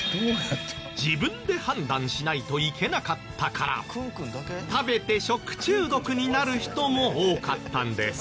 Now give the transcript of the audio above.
自分で判断しないといけなかったから食べて食中毒になる人も多かったんです。